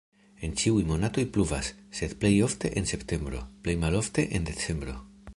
En ĉiuj monatoj pluvas, sed plej ofte en septembro, plej malofte en decembro.